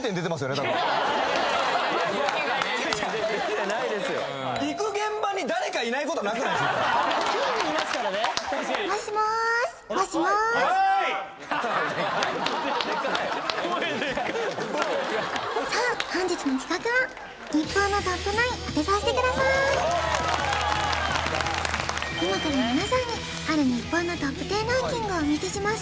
確かにでかい今から皆さんにある日本のＴＯＰ１０ランキングをお見せします